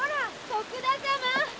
徳田様！